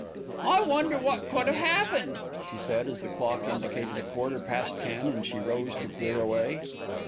"I wonder what could have happened?" she said as the clock indicated a quarter past ten and she rose to clear away.